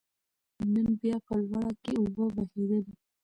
نن بيا په لوړه کې اوبه بهېدلې